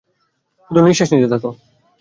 শুধু নিঃশ্বাস নিতে থাক।